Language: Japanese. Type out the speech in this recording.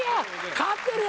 勝ってるよ！